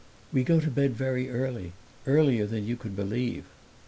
"We go to bed very early earlier than you would believe."